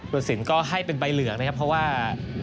สินก็ให้เป็นใบเหลืองนะครับเพราะว่า